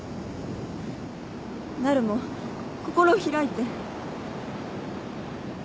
なるも心を開いて。